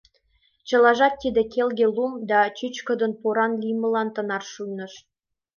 Чылажат тиде келге лум да чӱчкыдын поран лиймылан тынар шуйныш.